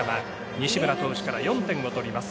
西村投手から４点を取ります。